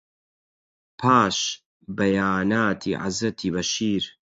پاش بەیاناتی حەزرەتی بەشیر